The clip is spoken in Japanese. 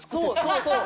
そうそう！